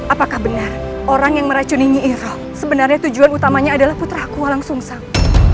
apakah benar orang yang meracuni nyi iroh sebenarnya tujuan utamanya adalah putraku walang sungsang